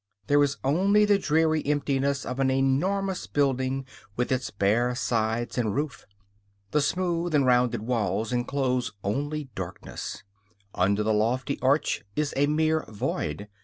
There is only the dreary emptiness of an enormous building with its bare sides and roof. The smooth and rounded walls enclose only darkness; under the lofty arch is a mere void.